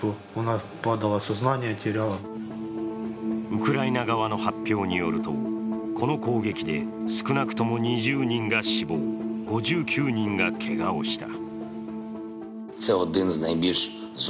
ウクライナ側の発表によると、この攻撃で少なくとも２０人が死亡、５９人がけがをした。